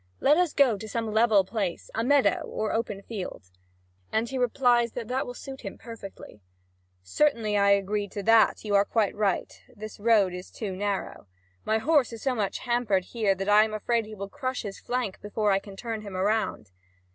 Let us go to some level place a meadow or an open field." And he replies that that will suit him perfectly: "Certainly, I agree to that: you are quite right, this road is too narrow. My horse is so much hampered here that I am afraid he will crush his flank before I can turn him around."